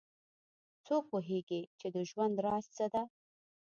څوک پوهیږي چې د ژوند راز څه ده